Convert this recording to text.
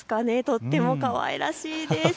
とってもかわいらしいです。